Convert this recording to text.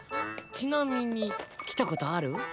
ちなみに来たことある？